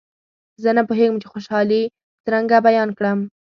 زه نه پوهېږم چې خوشالي څرنګه بیان کړم.